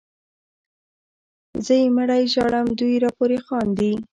زه یې مړی ژاړم دوی راپورې خاندي